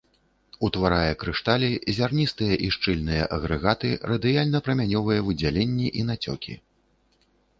Утварае крышталі, зярністыя і шчыльныя агрэгаты, радыяльна-прамянёвыя выдзяленні і нацёкі.